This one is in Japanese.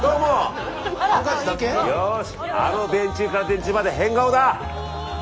よしあの電柱から電柱まで変顔だ！